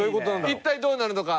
一体どうなるのか？